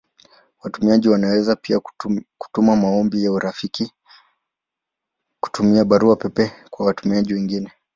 Watumiaji wanaweza pia kutuma maombi ya rafiki kutumia Barua pepe kwa watumiaji wengine.